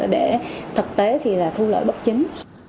để thực tế thì là thu lợi bất chính